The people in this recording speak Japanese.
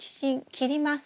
切ります。